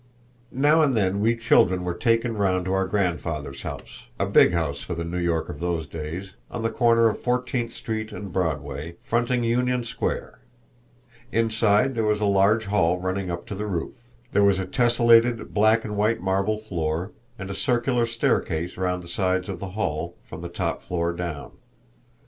Now and then we children were taken round to our grandfather's house; a big house for the New York of those days, on the corner of Fourteenth Street and Broadway, fronting Union Square. Inside there was a large hall running up to the roof; there was a tessellated black and white marble floor, and a circular staircase round the sides of the hall, from the top floor down.